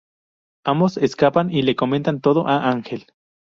Ambos escapan y le comentan todo a Ángel.